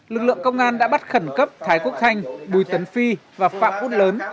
lực lượng công an đã bắt khẩn cấp thái quốc thanh bùi tấn phi và phạm quốc lớn